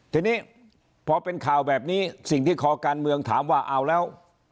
ทีนี้พอเป็นข่าวแบบนี้สิ่งที่คอการเมืองถามว่าเอาแล้ว